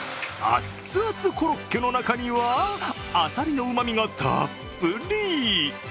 アッツアツコロッケの中にはあさりのうまみがたっぷり！